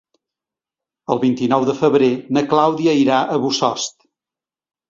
El vint-i-nou de febrer na Clàudia irà a Bossòst.